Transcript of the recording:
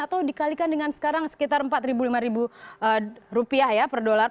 atau dikalikan dengan sekarang sekitar empat lima rupiah ya per dolar